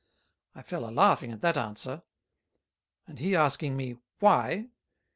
I fell a Laughing at that Answer. And he asking me, why?